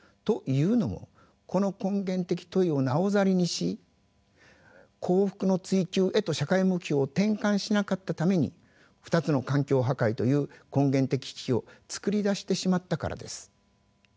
というのもこの根源的問いをなおざりにし幸福の追求へと社会目標を転換しなかったために２つの環境破壊という根源的危機をつくり出してしまったからです。